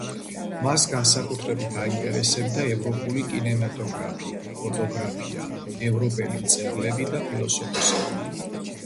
მას განსაკუთრებით აინტერესებდა ევროპული კინემატოგრაფი, ფოტოგრაფია, ევროპელი მწერლები და ფილოსოფოსები.